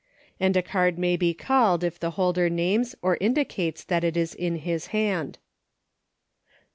And a card may be called if the holder names or indicates that it is in his hand.